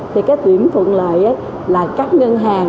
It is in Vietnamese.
thì cái tuyển thuận lợi là các ngân hàng